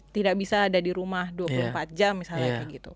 tidak bisa ada di rumah dua puluh empat jam misalnya kayak gitu